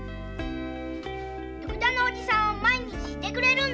徳田のおじさんは毎日居てくれるんだ。